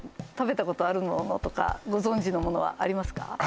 食べたことあるものとかご存じのものはありますか？